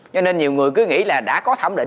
cho nên nhiều người cứ nghĩ là đã có thẩm định